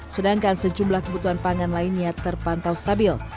sedangkan sejumlah kebutuhan pangan lainnya terpantau stabil